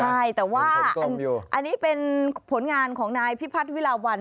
ใช่แต่ว่าอันนี้เป็นผลงานของนายพิพัฒน์วิลาวัน